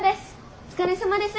お疲れさまです。